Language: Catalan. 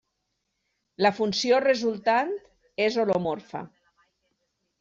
La funció resultant és holomorfa.